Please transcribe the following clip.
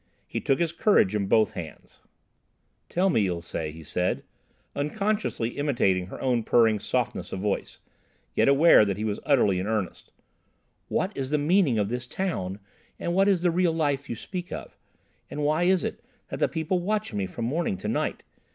He took his courage in both hands. "Tell me, Ilsé," he said, unconsciously imitating her own purring softness of voice, yet aware that he was utterly in earnest, "what is the meaning of this town, and what is this real life you speak of? And why is it that the people watch me from morning to night?